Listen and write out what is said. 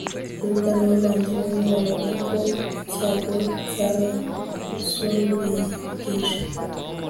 yuda n'abavandimwe be babona ko icyago cyabasumbirije